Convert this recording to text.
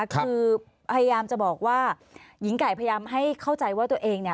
คือพยายามจะบอกว่าหญิงไก่พยายามให้เข้าใจว่าตัวเองเนี่ย